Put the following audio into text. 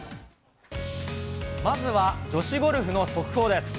まずは女子ゴルフの速報です。